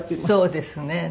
そうですね。